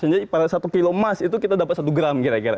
jadi pada satu kilo emas itu kita dapat satu gram kira kira